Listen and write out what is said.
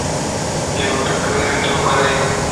ايو تقرير تو ڪري